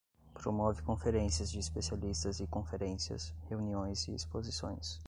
Promove conferências de especialistas e conferências, reuniões e exposições.